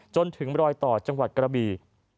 จนถึงรอยต่อจังหวัดกระบี